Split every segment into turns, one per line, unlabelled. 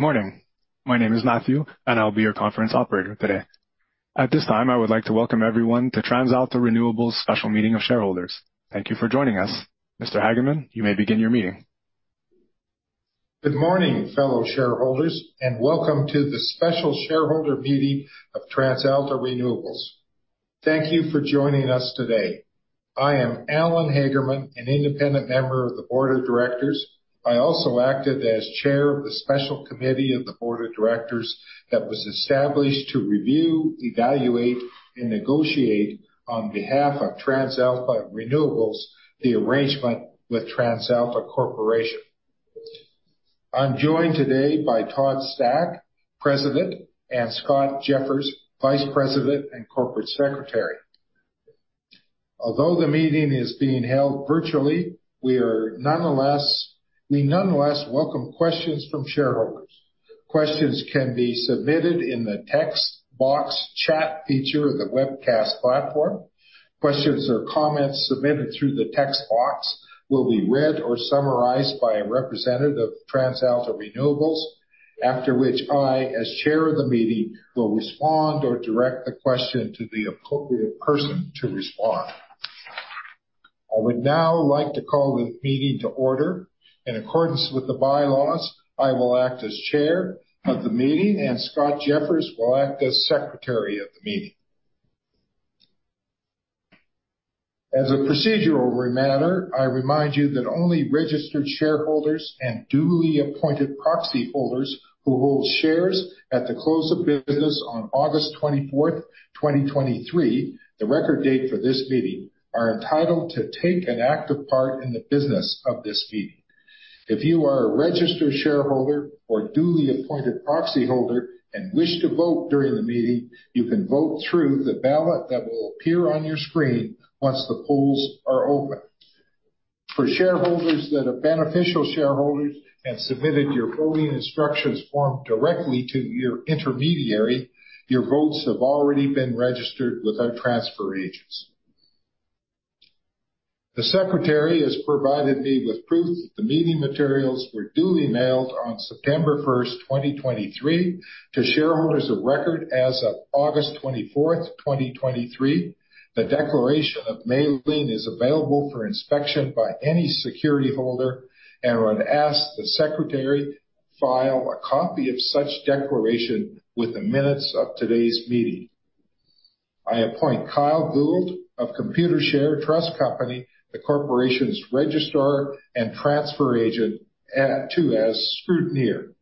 Morning. My name is Matthew, and I'll be your conference operator today. At this time, I would like to welcome everyone to TransAlta Renewables' Special Meeting of Shareholders. Thank you for joining us. Mr. Hagerman, you may begin your meeting.
Good morning, fellow shareholders, and welcome to the Special Shareholder Meeting of TransAlta Renewables. Thank you for joining us today. I am Allen Hagerman, an Independent Member of the Board of Directors. I also acted as Chair of the Special Committee of the Board of Directors that was established to review, evaluate, and negotiate on behalf of TransAlta Renewables the arrangement with TransAlta Corporation. I am joined today by Todd Stack, President, and Scott Jeffers, Vice President and Corporate Secretary. Although the meeting is being held virtually, we nonetheless welcome questions from shareholders. Questions can be submitted in the text box chat feature of the webcast platform. Questions or comments submitted through the text box will be read or summarized by a representative of TransAlta Renewables, after which I, as Chair of the meeting, will respond or direct the question to the appropriate person to respond. I would now like to call the meeting to order. In accordance with the bylaws, I will act as Chair of the meeting, and Scott Jeffers will act as Secretary of the meeting. As a procedural matter, I remind you that only registered shareholders and duly appointed proxy holders who hold shares at the close of business on August 24th, 2023, the record date for this meeting, are entitled to take an active part in the business of this meeting. If you are a registered shareholder or duly appointed proxy holder and wish to vote during the meeting, you can vote through the ballot that will appear on your screen once the polls are open. For shareholders that are beneficial shareholders and submitted your voting instructions form directly to your intermediary, your votes have already been registered with our transfer agents. The secretary has provided me with proof that the meeting materials were duly mailed on September 1st, 2023, to shareholders of record as of August 24th, 2023. The declaration of mailing is available for inspection by any security holder and would ask the secretary file a copy of such declaration with the minutes of today's meeting. I appoint Kyle Gould of Computershare Trust Company, the corporation's registrar and transfer agent, too, as scrutineer.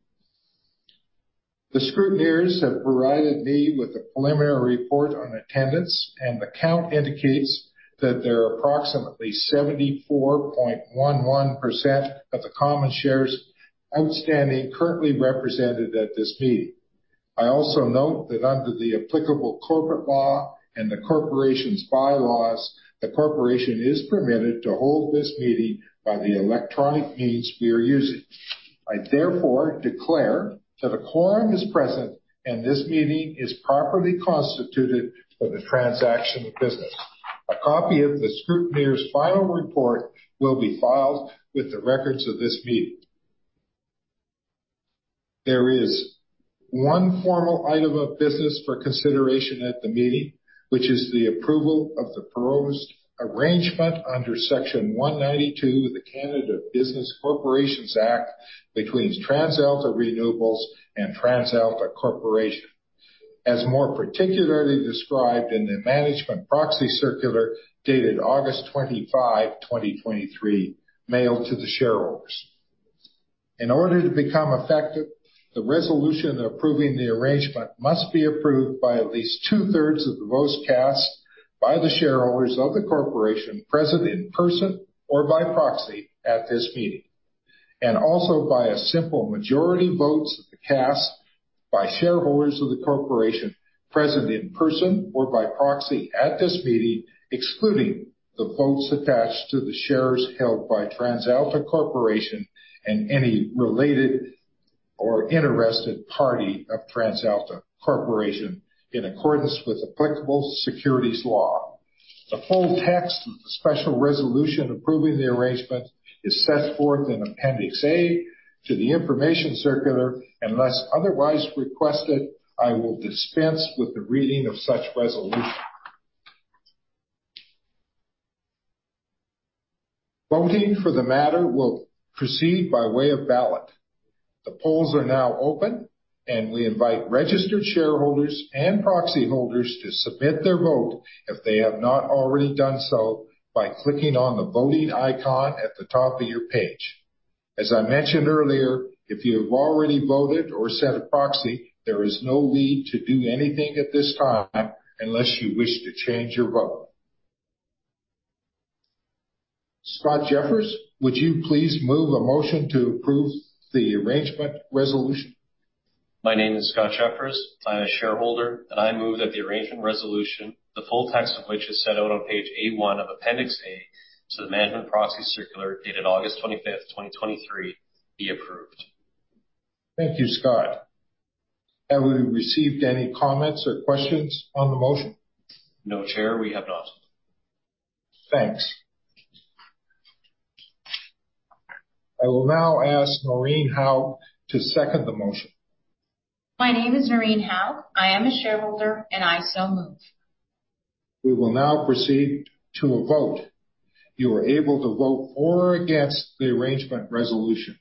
The scrutineers have provided me with a preliminary report on attendance, and the count indicates that there are approximately 74.11% of the common shares outstanding currently represented at this meeting. I also note that under the applicable corporate law and the corporation's bylaws, the corporation is permitted to hold this meeting by the electronic means we are using. I therefore declare that a quorum is present, and this meeting is properly constituted for the transaction of business. A copy of the scrutineer's final report will be filed with the records of this meeting. There is one formal item of business for consideration at the meeting, which is the approval of the proposed arrangement under Section 192 of the Canada Business Corporations Act between TransAlta Renewables and TransAlta Corporation, as more particularly described in the management proxy circular dated August 25, 2023, mailed to the shareholders. In order to become effective, the resolution approving the arrangement must be approved by at least 2/3 of the votes cast by the shareholders of the corporation present in person or by proxy at this meeting. Also by a simple majority votes cast by shareholders of the corporation present in person or by proxy at this meeting, excluding the votes attached to the shares held by TransAlta Corporation and any related or interested party of TransAlta Corporation, in accordance with applicable securities law. The full text of the special resolution approving the arrangement is set forth in Appendix A to the information circular. Unless otherwise requested, I will dispense with the reading of such resolution. Voting for the matter will proceed by way of ballot. The polls are now open. We invite registered shareholders and proxy holders to submit their vote if they have not already done so by clicking on the voting icon at the top of your page. As I mentioned earlier, if you have already voted or set a proxy, there is no need to do anything at this time unless you wish to change your vote. Scott Jeffers, would you please move a motion to approve the arrangement resolution?
My name is Scott Jeffers. I'm a shareholder, and I move that the arrangement resolution, the full text of which is set out on page A.i of Appendix A to the management proxy circular dated August 25, 2023, be approved.
Thank you, Scott. Have we received any comments or questions on the motion?
No, Chair, we have not.
Thanks. I will now ask Noreen Howe to second the motion.
My name is Noreen Howe. I am a shareholder, I so move.
We will now proceed to a vote. You are able to vote for or against the arrangement resolution.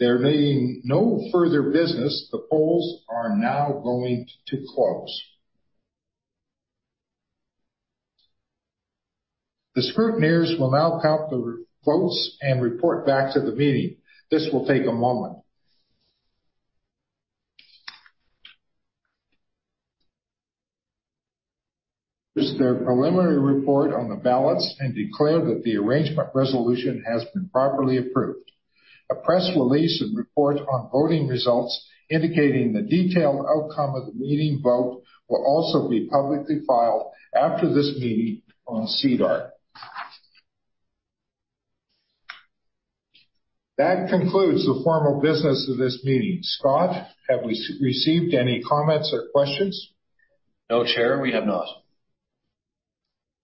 There being no further business, the polls are now going to close. The scrutineers will now count the votes and report back to the meeting. This will take a moment. Here's the preliminary report on the ballots and declare that the arrangement resolution has been properly approved. A press release and report on voting results indicating the detailed outcome of the meeting vote will also be publicly filed after this meeting on SEDAR. That concludes the formal business of this meeting. Scott, have we received any comments or questions?
No, Chair, we have not.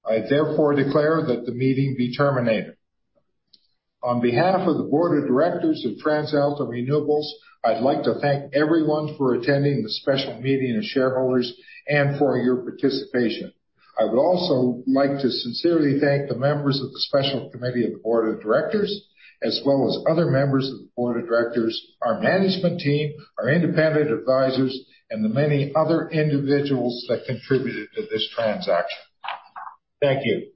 I therefore declare that the meeting be terminated. On behalf of the Board of Directors of TransAlta Renewables, I'd like to thank everyone for attending the special meeting of shareholders and for your participation. I would also like to sincerely thank the members of the Special Committee of the Board of Directors, as well as other members of the Board of Directors, our management team, our independent advisors, and the many other individuals that contributed to this transaction. Thank you.